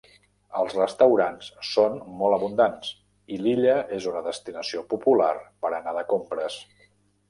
Els restaurants són molt abundants i l'illa és una destinació popular per anar de compres.